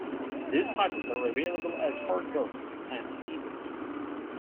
These titles are available as hard books and ebooks.